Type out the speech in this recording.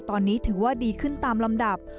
ตอนนี้ถือว่าดีขึ้นตามลำดับ